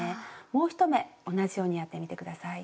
もう１目同じようにやってみて下さい。